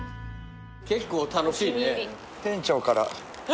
結構楽しいね。